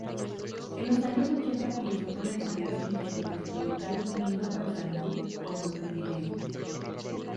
En los años ochenta comenzó con el servicio interdepartamental, uniendo Paysandú con Montevideo.